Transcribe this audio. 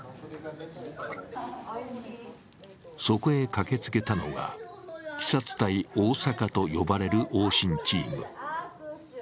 そこへ駆けつけたのがＫＩＳＡ２隊・大阪と呼ばれる往診チーム。